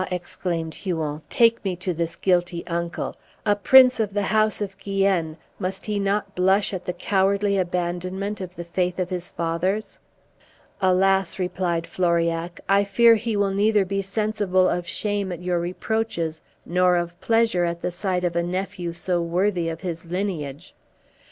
exclaimed Huon, "take me to this guilty uncle. A prince of the house of Guienne, must he not blush at the cowardly abandonment of the faith of his fathers?" "Alas!" replied Floriac, "I fear he will neither be sensible of shame at your reproaches, nor of pleasure at the sight of a nephew so worthy of his lineage.